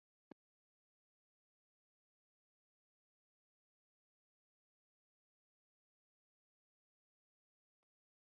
সংগঠনটি এলাকার সামাজিক পরিবেশ গঠনে, শিক্ষার বিকাশে, পারস্পরিক সম্পর্ক উন্নয়নে কাজ করত।